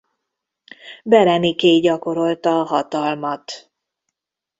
Bereniké gyakorolta a hatalmat.